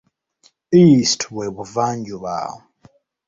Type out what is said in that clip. "East" bwe Buvanjuba.